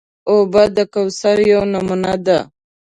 اوبه د کوثر یوه نمونه ده.